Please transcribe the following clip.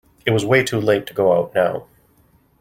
It's way too late to go out now.